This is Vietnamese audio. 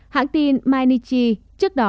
hãng tin mainichi trước đó